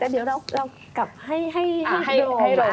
เดี๋ยวเรากลับให้โรมอธิบายเรื่องประเด็นเลือกตั้งครั้งแรก